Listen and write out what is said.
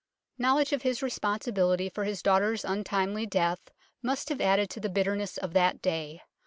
Knowledge of his responsibility for his daughter's untimely death must have added to the bitter ness of that day.